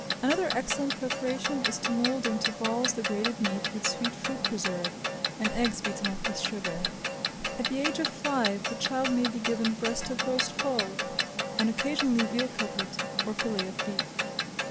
Another excellent preparation is to mould into balls the grated meat, with sweet fruit preserve, and eggs beaten up with sugar. At the age of five, the child may be given breast of roast fowl, and occasionally veal cutlet or filet of beef.